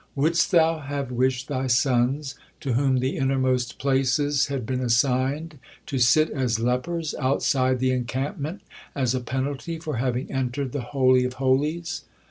Wouldst thou have wished thy sons, to whom the innermost places had been assigned, to sit as lepers outside the encampment as a penalty for having entered the Holy of Holies?"